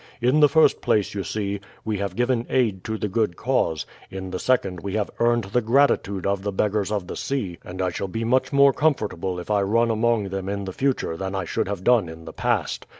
In the first place, you see, we have given aid to the good cause, in the second we have earned the gratitude of the beggars of the sea, and I shall be much more comfortable if I run among them in the future than I should have done in the past.